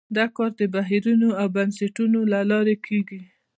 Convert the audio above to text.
دا کار د بهیرونو او بنسټونو له لارې کیږي.